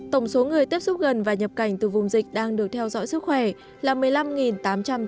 tổng số người tiếp xúc gần và nhập cảnh từ vùng dịch đang được theo dõi sức khỏe là một mươi năm tám trăm chín mươi bảy